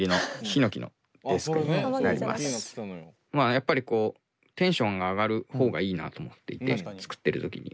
やっぱりテンションが上がる方がいいなと思っていて作ってる時に。